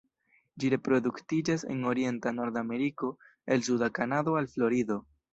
Ĝi reproduktiĝas en orienta Nordameriko el suda Kanado al Florido.